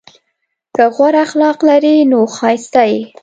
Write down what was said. که غوره اخلاق لرې نو ښایسته یې!